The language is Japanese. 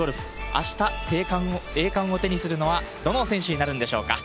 あした、栄冠を手にするのはどの選手になるんでしょうか。